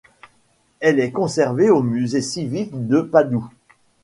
Elle est conservée au Musée civique de Padoue.